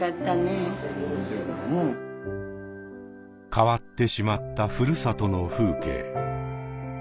変わってしまった故郷の風景。